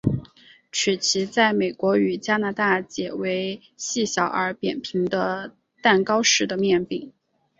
曲奇在美国与加拿大解为细小而扁平的蛋糕式的面饼。